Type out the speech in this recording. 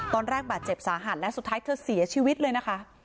ตอนแรกบาดเจ็บสาหัสและสุดท้ายเธอเสียชีวิตเลยนะคะ